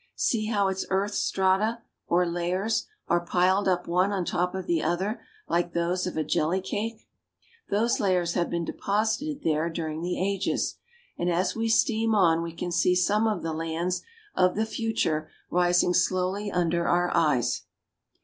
See how its earth strata, or layers, are piled up one on top of the other like those of a jelly cake. Those layers have been deposited there dur ing the ages, and as we steam on we can see some of the lands of the future rising slowly under our eyes.